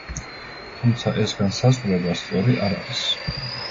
თუმცა ეს განსაზღვრება სწორი არ არის.